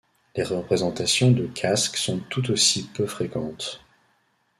Les représentations de casques sont tout aussi peu fréquentes.